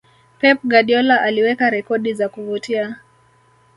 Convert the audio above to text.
pep guardiola aliweka rekodi za kuvutia